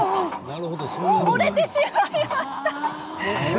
折れてしまいました。